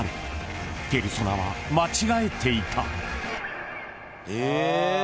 ［ペルソナは間違えていた］え？